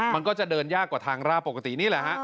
มันก็จะเดินยากกว่าทางราบปกตินี่แหละฮะ